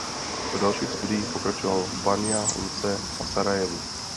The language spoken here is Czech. V dalších studiích pokračoval v Banja Luce a Sarajevu.